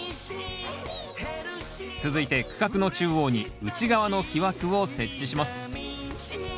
続いて区画の中央に内側の木枠を設置します。